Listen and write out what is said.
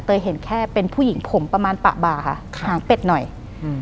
เห็นแค่เป็นผู้หญิงผมประมาณปะบ่าค่ะหางเป็ดหน่อยอืม